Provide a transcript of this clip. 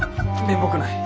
面目ない。